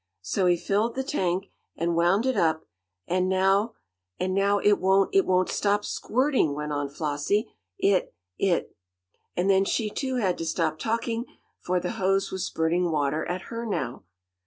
"So he filled the tank, and wound it up, and now and now it won't it won't stop squirtin'!" went on Flossie. "It it " And then she, too, had to stop talking, for the hose was spurting water at her now.